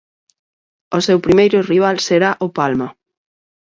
O seu primeiro rival será o Palma.